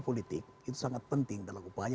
politik itu sangat penting dalam upaya